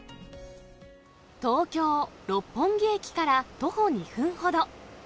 東京・六本木駅から徒歩２分ほど。